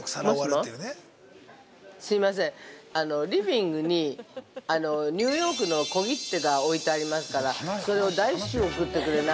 すみません、あのリビングにニューヨークの小切手が置いてありますからそれを大至急送ってくれない？